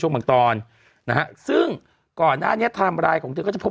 บางตอนนะฮะซึ่งก่อนหน้านี้ไทม์ไลน์ของเธอก็จะพบ